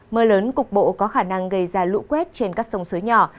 mưa lớn cục bộ có khả năng gây ra lũ quét trên các sông suối nhỏ